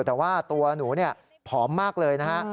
แต่ว่าตัวหนูผอมมากเลยนะฮะ